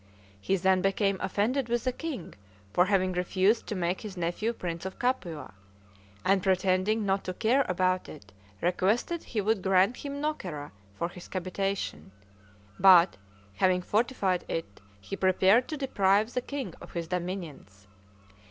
He then became offended with the king, for having refused to make his nephew prince of Capua; and pretending not to care about it, requested he would grant him Nocera for his habitation, but, having fortified it, he prepared to deprive the king of his dominions.